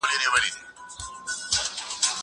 زه هره ورځ ځواب ليکم!